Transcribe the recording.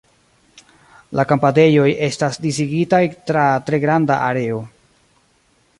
La kampadejoj estas disigitaj tra tre granda areo.